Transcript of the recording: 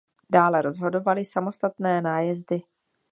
Dále rozhodovali samostatné nájezdy.